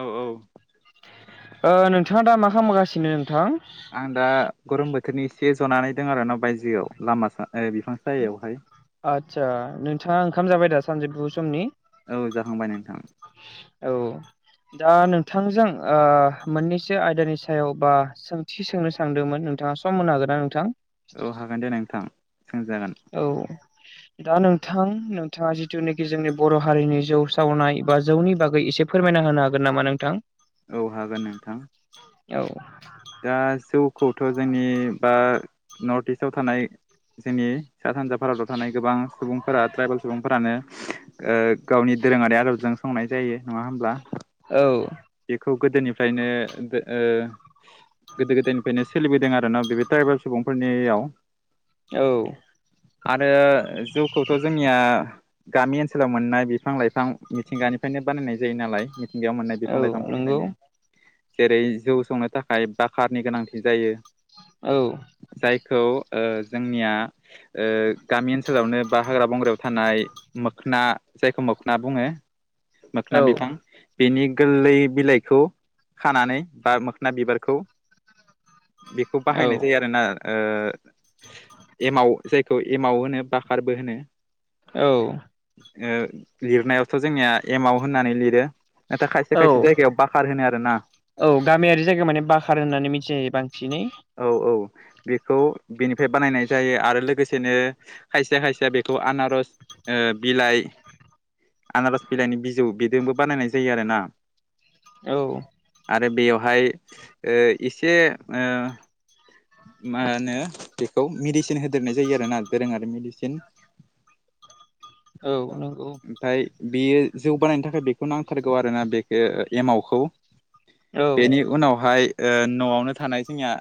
औ ओ नोंथांङा दा मा खालामगासिनो नोंथां? आं दा गरम बोथोरनि एसे जनानै दों आरो ना बायजोआव लामा जा ओ बिफां सायहायावहाय। आदसा नोंथाङा ओंखाम जाबाय दा सानजौफु समनि औ जाखांबाय नोंथां। औ। दा नोंथांजों ओ मोननैसो आयदानि सायाव बा सोंथि सोंनो सानदोंमोन नोंथाङा सम होनो हागोन ना नोंथां? औ हागोन दे नोंथां सोंजागोन। औ दा नोंथां नोंथाङा जिथुनिखि जोंनि बर' हारिनि जौ सावनाय बा जौनि बागै इसे फोरमायना होनो हागोन नामा नोंथां? औ हागोन नोंथां। औ दा जौखौथ' जोंनि बा नर्थ इस्टआव थानाय जोंनि सा सानजा भारताव थानाय गोबां सुबुंफोरा ट्राइबेल सुबुंफोरानो ओ गावनि दोरोङारि आद'बजों संनाय जायो नङा होमब्ला? औ बिखौ गोदोनिफ्रायनो ओ गोदो-गोदायनिफायनो सोलिबोदों आरोना बे ट्राइबेल सुबुंफोरनियाव औ आरो जौखौथ' जोंनिया गामि ओनसोलाव मोननाय बिफां-लाइफां मिथिंगानिफायनो बानायनाय जायो नालाय गायाव मोननाय औ नंगौ बिफां-लाइफांफोरनिफायनो जेरै जौ संनो थाखाय बाखारनि गोनांथि जायो औ जायखौ ओ जोंनिया ओ गामि ओनसोलावनो बा हाग्रा-बंग्रायाव थानाय मोख्ना जायखौ मोख्ना बुङो मोख्ना बिफां बिनि गोललै बिलाइखौ खानानै बा मोख्ना बिबारखौ बिखौ औ बाहायनाय जायो आरोना ओ एमाव जायखौ एमाव होनो बाखारबो होनो औ ओ लिरनायावथ' जोंनिया एमाव होननानै लिरो नाथाय खायसे औ खायसे जायगायाव बाखार होनो आरोना औ गामियारि जायगायाव माने बाखार होननानै मिथिनाय जायो बांसिनै औ औ बेखौ बेनिफाय बानायनाय जायो आरो लोगोसेनो खायसे खायसेया बेखौ आनारस ओ बिलाइ आनार'स बिलाइनि बिजौ बेजोंबो बानायनाय जायो आरो ना औ आरो बेयावहाय ओ इसे ओ मा होनो बेखौ मिडिसिन होदेरनाय जायो आरोना दोरोङारि मिडिसिन औ नंगौ फाय बियो जौ बानायनो थाखाय बेखौ नांथारगौ आरोना बेखौ एमावखौ औ बेनि उनावहाय ओ न'आवनो थानाय जोंनिया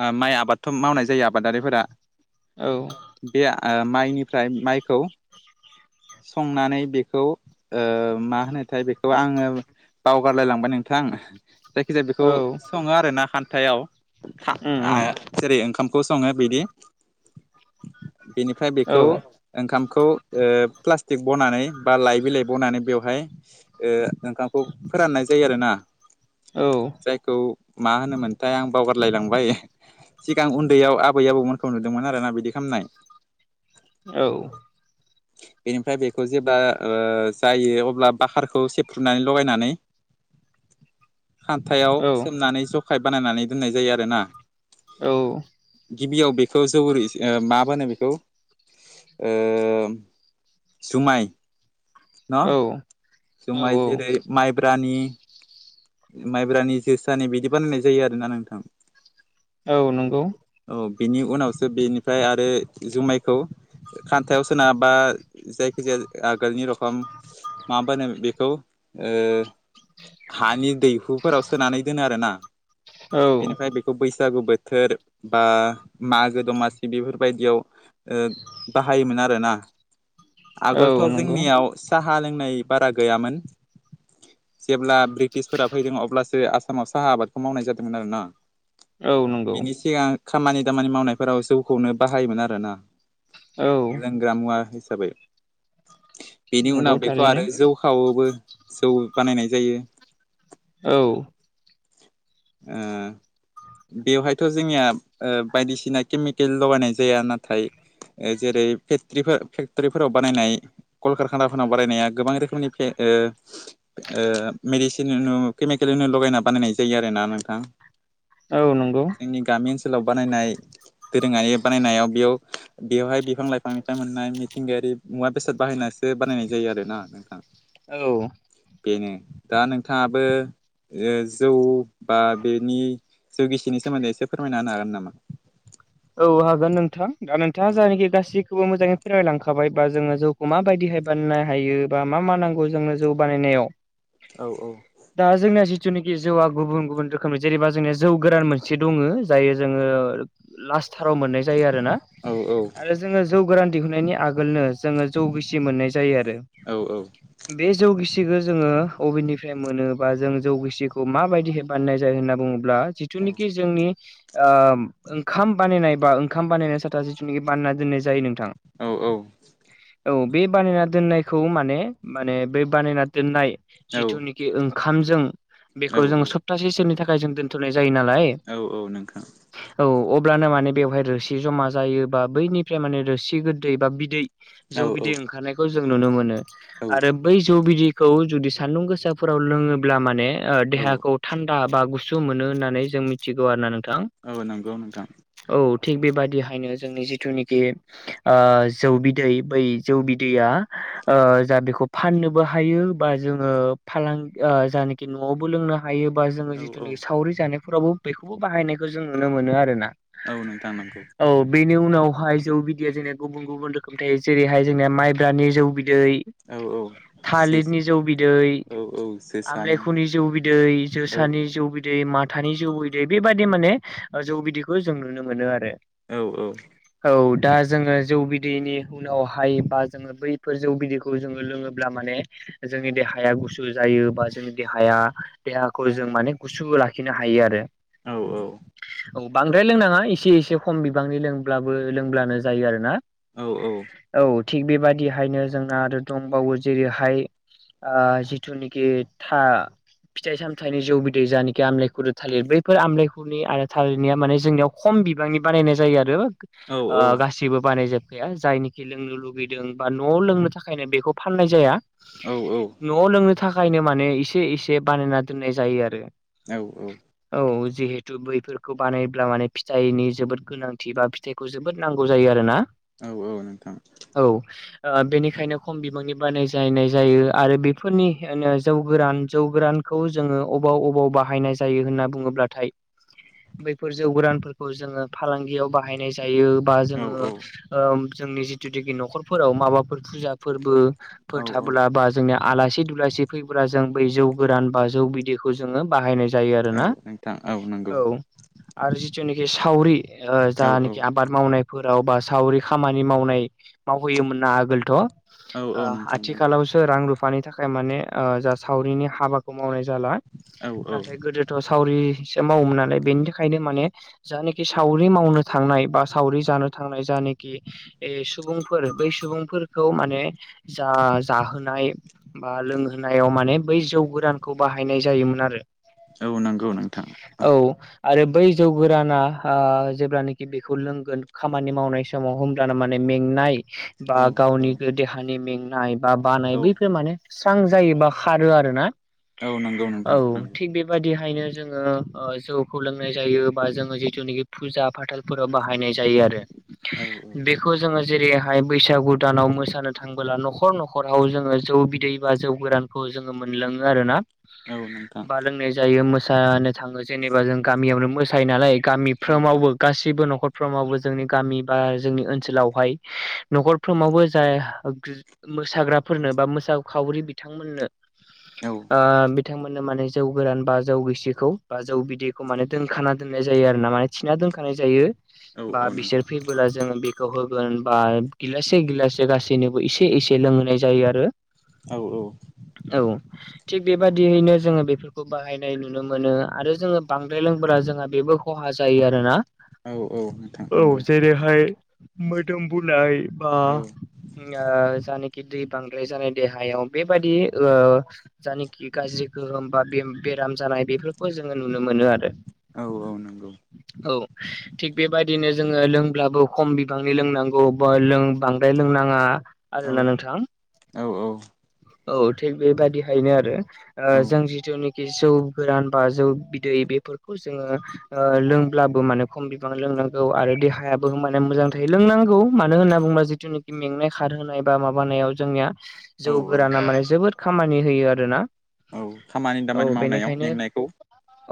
ओ माइ आबादथ' मावनाय जायो आबादारिफोरा औ बे ओ माइनिफ्राय माइखौ संनानै बेखौ ओ मा होनो थाय बेखौ आङो बावगारलाय लांबाय नोंथां जायखिजाया बेखौ औ सङो आरोना खान्थायाव खा उम उम ओ जेरै ओंखामखौ सङो बिदि बिनिफ्राय औ बेखौ ओंखामखौ ओ प्लास्टिक बनानै बा लाइ बिलाइ बनानै बेवहाय ओ ओंखामखौ फोराननाय जायो आरोना औ जायखौ मा होनोमोनथाय आं बावगारलायलांबाय सिगां उन्दैयाव आबै-आबौमोनखौ नुदोंमोन आरोना बिदि खामनाय औ बेनिफ्राय बेखौ जेब्ला ओ जायो अब्ला बाखारखौ सेफ्र्रुनानै लगायनानै [inaudible] खान्थायाव औ सोमनानै ज'खाय बानायनानै दोननाय जायो आरोना औ गिबियाव बेखौ जौ रिषि ओ मा मोनो बेखौ ओ जुमाय न औ जुमाय जेरै माइब्रानि माइब्रानि जोसानि बिदि बानायनाय जायो आरोना नोंथां औ नंगौ औ बिनि उनावसो बेनिफ्राय आरो जुमायखौ खान्थायाव सोनाब बा जायखि जाया आगोलनि रख फाम माबा होनो बेखौ ओ हानि दैहुफोराव सोनानै दोनो आरो ना औ बेनिफ्राय बेखौ बैसागु बोथोर बा मागो दमासि बेफोरबायदियाव ओ बाहायोमोन आरोना औ आगोलथ' नंगौ जोंनियाव साहा लोंनाय बारा गैयामोन जेब्ला ब्रिटिशफोरा फैदों अब्लासो आसामाव साहा आबादखौ मावनाय जादोंमोन आरो ना औ नंगौ बेनि सिगां खामानि दामानि मावनायफोराव जौखौनो बाहायोमोन आरोना औ लोंग्रा मुवा हिसाबै बेनि उनाव नंगौ बेखौ थारैनो आरो जौ खावआवबो जौ बानायनाय जायो औ ओ बेवहायथ' जोंनिया ओ बायदिसिना केमिकेल लगायनाय जाया नाथाय जेरै फेक्ट फेक्टरिफोराव बानायनाय कलकारखानाफोरनाव बारायनाया गोबां रोखोमनि फे ओ ओ मेडिसिन केमिकेलनो लगायना बानायनाय जायो आरोना नोंथाङा औ नंगौ जोंनि गामि ओनसोलाव बानायनाय दोरोङारि बानायनायाव बेयाव बेवहाय बिफां लाइफांनिफ्राय मोननाय मिथिंगायारि मुवा बेसाद बाहायनाय बेसो बानायनाय जायो आरो ना नोंथाङा औ बेनो दा नोंथाङाबो जौ बा बेनि जौ गिसिनि सोमोन्दै एसे फोरमायना होनो हागोन नामा औ हागोन नोंथां दा नोंथाङा जायानाखि गासैखौबो मोजाङै फोरामायलांखाय बा जोङो जौ माबायदिहाय बानायनो हायो बा मा मा नांगौ जोंनो जौ बानायनायाव औ औ दा जोंनिया जिथुनाखि जौआ गुबुन गुबुन रोखोमनि जेनेबा जोंनिया जौ गोरान मोनसे दङ जायो जोङो लास्ट थाराव मोननाय जायो आरोना औ आरो जोङो जौ गोरान दिहुननायनि आगोलनो जोङो जौ गिसि मोननाय जायो आरो औ औ बे जौ गिसिखौ जोङो अबेनिफ्राय मोनोबा जों जौ गिसिखौ माबायदिहाय बान्नाय जायो होनना बुङोब्ला जिथुनिखि जोंनि ओ ओंखाम बानायनाय बा ओंखाम बानायनाय साथा जिथुखि बानना दोननाय जायो नोंथां औ औ औ बे बानायना दोननायखौ माने माने बे बानायना दोननाय औ जिथुनिखि ओंखामजों औ बेखौ जों सप्तासे सोरोनि थाखाय जों दोनथ'नाय जायो नालाय औ औ नोंथां औ अब्लानो माने बेवहाय रोसि जमा जायोबा बैनिफ्राय माने रोसि गोदै बा बिदै औ जौ बिदै ओंखारनायखौ जों नुनो मोनो औ आरो बै जौ बिदै खौ जुदि सान्दुं गोसाफोराव लोङोब्ला माने देहाखौ थान दा बा गुसु मोनो होननानै जों मिथिगौ आरो ना नोंथां औ नंगौ नोंथां औ थिग बेबायदिहायनो जोंनि जिथुनिखि ओ जौ बिदै बै जौ बिदैया ओ जा बेखौ फाननोबो हायो बा जोङो फालांगि जायानाखि न'आवबो लोंनो बाहायोबा जोङो औ औ जिथुनिखि सावरि जानायफोरावबो बेखौबो बाहायनायखौ जों नुनो मोनो आरो ना औ नोंथां नंगौ। औ बेनि उनावहाय जौ बिदैया जोंनिया गुबुन गुबुन रोखोम थायो जेरैहाय जोंनिया माइब्रानि जौ बिदै। औ औ। थालिरनि जौ बिदै, औ औ जोसानि आमलेखुनि जौ बिदै, औ जोसानि जौ बिदै दै माथानि जौ बिदै बेबायादि माने जौ बिदैखौ जों नुनो मोनो आरो। औ औ दा जोङो जौ बिदैनि उनावहाय बा जोङो बैफोर जौगददिखौ जोङो लोङोब्ला माने जोंनि देहाया गुसु जायो बा जोंनि देहाया देहाखौ जों माने गुसु लाखिनो हायो आरो औ। औ बांद्राय लोंनाङा एसे एसे खम बिबांनि लोंब्लाबो लोंब्लानो जायो आरो ना। औ औ। औ थिग बेबाददिहायनो जोंना आरो दंबावो जेरैहाय आ जिथु निखि था फिथाइ सामथाइनि जौ बिदै जानखि आमलायखुरो थालिर बैफोर आमलायखुरनि आरो थालिर म जोंनि खम बिबांनि बानायनाय जायो आरो ओ गा जेबो बानायजोबखाया जायनिखि लोंनो लुगैदों बा न'आव लोंनो थाखायनो बेखौ फाननाय जाया औ औ। न'आव लोंनो थाखायनो माने एसे एसे बानायना दोननाय जायो आरो। औ औ। औ जिहेतु बैफोर खौ बानायब्ला माने फिथाइनि जोबोद गोनांथि बा फिथाइखौ जोबोद नांगौ जायो आरो ना। औ औ नोंथां। औ। बेनिखायनो खम बिबांनि बानायजायनाय जायो आरो बेफोरनि जौ गोरान जौ गोरान खौ जोङो अबाव अबाव बाहायनाय जायो होनना बुङोब्लाथाय। बैफोर जौ गोरानफोरखौ जोङो फालांगियाव बाहायनाय जायो। जायो बा औ जोङो जोंनि जिथुनाुखि न'खरफोराव माबाफोर फुजा फोरबो। औ फ औ थाबोला बा जोंनिया आलासि दुलासि फैब्ला जों बै जौ गोरान बा जौ बिदैखौ जोङो बाहायनाय जा जायो आरोना औ नोंथां औ नंगौ औ आरो जिथुनाखि सावरि औ जेने आबाद मावनायफोराव बा सावरि खामानि मावनाय मावहैयोमोन ना आगोलथ'। औ औ नोंथां नंगौ आथिखालाव रां रुफानि थाखाय माने जा सावरिनि हाबाखौ मावनाय जाला औ नाथाय गोदो सावरिसो मावोमोननानै बेनि बिखायनो माने जानखि सावरि मावनो थांनाय बा सावरि जानो थांनाय जानाखि ए सुबुंफोर बै सुबुंफोरखौ माने जा जाहोनाय बा लोंहोनायाव माने बै जौ गदानखौ बाहायनाय जायोमोन आरो। औ नंगौ नोंथां। औ आरो बै जौ गोराना जेब्लानाखि बेखौ लोंगोन खामानि मावनाय समाव समाव होमब्ला माने मेंनाय बा औ औ गावनि देहानि मेंनाय बा बानाय औ बैफोर माने स्रां जायोबा खारो आर ना औ नंगौ नोंथां औ नंगौ थिग बे बे बायदिहायनो जोङो जौ। खौ लोंनाय जायो बा जोङो जिथुनाखि फुजा फाथालफोराव बाहायनाय जायो आरो। औ औ। खौ जोङो जेरैहाय बैसागु दानाव मोसानो थाखायाङो नबोला न'खर न'खराव जोङो जौ बिदै बा जौ गोरानखौ जोङो मोनलोङो आरोना औ नोंथां बा लोंनाय जायो मोसानो थाङो जेनेबा जों गामियावनो मोसायो नालाय गामि औ फ्रामावबो औ गासिबो न'खर मावबो जोंनि गामि बा जोंनि ओनसोलावहाय न'खरफ्रोमावबो जाय मोसाग्राफोरनो बा मोसाखावरि बिथांमोननो बिथांमोननो माने जौ गोरान बा जौ गिसिखौ बा जौ बिदैखौ खौ माने दोनखाना दोननाय जायो आरो ना माने थिना दोनखानाय जायो बा औ बिसोर नोंथां फैबोला जों होगोन बा गिलासे गिलासे गासैनोबो एसे एसे लोंहोनाय जायो आरो औ औ औ थिग बेबादियैनो जोङो बेफोरखौ बाहायनाय नुनो मोनो आरो जोङो बांद्राय लोंब्रा जोंहा बेबो खहा जायो आरोना औ औ नोंथां औ नंगौ जेरैहाय मोदोम बुनाय बा औ जायनाखि दै बांद्राय जानाय देहायाव बेबायदि जानाखि गाज्रि गोहोम बा बेराम जानाय बेफोरखौ जोङो नुनो मोनो आरो औ औ नंगौ औ थिग बेबायदिनो जोङो लोंब्लाबो खम बिबांनि लोंनांगौ बा लों बांद्राय लोंनाङा औ आरोना नोंथां औ औ थिग बेबायदिहायनो आरो औ जों जिथुनाखि जौ गोरान बा जौ दै बेफोरखौ जोङो लोंब्लाबो माने खम बिबां लोंनांगौ आरो देहायाबो माने मोजां थायो लोंनांगौ मानो होनना बुङोब्ला जिथुनाखि मेंनाय खारहोनाय बा माबानायाव जोंनिया औ जौ औ गोराना माने जोबोद खामानि होयो आरोना औ खामानि औ दामानि मावनायाव बेनिखायनो मेंनायखौ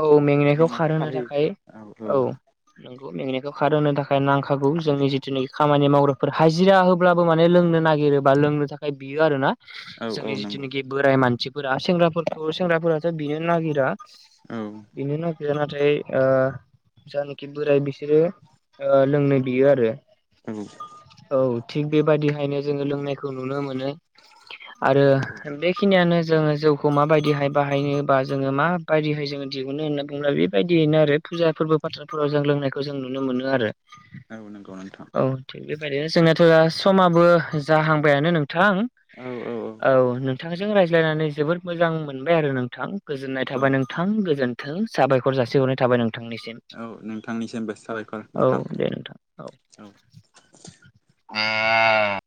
औ मेंनायखौ खारहोनो थाखाय औ नंगौ मेंनिखौ खारहोनो थाखाय नांखागौ जोंनि जिथुनाखि खामानि मावग्राफोर हाजिरा होब्लाबो माने लोंनो नागिरोब बा लोंनो थाखाय बियो आरो ना औ जोंनि औ नंगौ जिथुनाखि बोराय मानसिफोरा सेंग्राफोरखौ सेंग्राफोराथ' बिनो नागिरा औ बिनो नायगिरा नाथाय जानाखि बोराय बिसोरो लोंनाय बियो आरो औ औ थिग बेबायदिहायनो जोङो लोंनायखौ नुनो मोनो आरो औ औ बे बेखिनियानो जोङो जौखौ माबायदिहाय बाहायनोबा जोङो माबायदिहाय जोङो दिहुनो होनना बुङोब्ला बेबायदियैनो आरो फुजा फोरबो फाथालफोराव जों लोंनायखौ जों नुनो मोनो आरो औ नंगौ नोंथां औ थिग बेबायदिनो जोंनाथ' समाबो जाहांबायानो नोंथां औ बिथांजों रायज्लायनानै जोबोर मोजां मोनबाय आरो नोंथां गोजोननाय औ थाबाय नोंथां गोजोन्थों साबायखर जासि हरनाय थाबाय नोंथांनिसिम औ नोंथांनिसिमबो साबायखर औ नोंथां दे नोंथां औ औ